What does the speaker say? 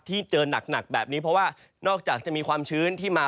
ที่เจอหนักแบบนี้เพราะว่านอกจากจะมีความชื้นที่มา